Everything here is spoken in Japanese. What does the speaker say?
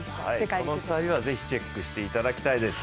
この２人はぜひチェックしていただきたいです。